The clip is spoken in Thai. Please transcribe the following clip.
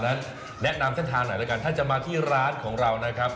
แนะนำเส้นทางหน่อยแล้วกันถ้าจะมาที่ร้านของเรานะครับ